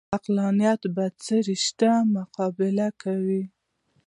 عقلانیت بڅري شته مقابله کوي